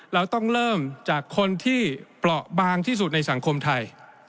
เราต้องเริ่มจากคนที่เปราะบางที่สุดในสังคมไทย